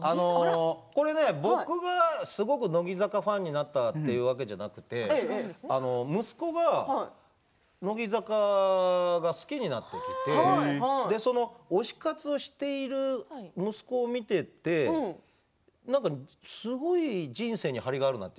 これは、僕がすごく乃木坂ファンになったということではなくて息子が、乃木坂が好きになってその推し活をしている息子を見ていてすごい人生に張りがあるなって。